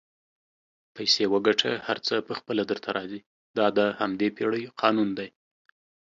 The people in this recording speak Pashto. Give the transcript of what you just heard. پیسې وګټه هر څه پخپله درته راځي دا د همدې پیړۍ قانون دئ